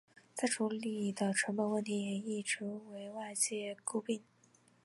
再处理的成本问题也一直为外界诟病。